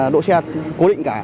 đỗ xe cố định cả